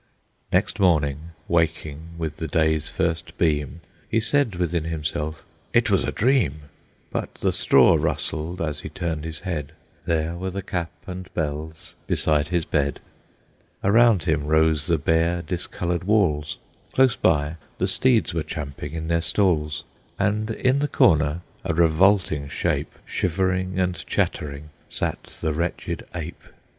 Next morning, waking with the day's first beam, He said within himself, "It was a dream!" But the straw rustled as he turned his head, There were the cap and bells beside his bed, Around him rose the bare, discolored walls, Close by, the steeds were champing in their stalls, And in the corner, a revolting shape, Shivering and chattering sat the wretched ape.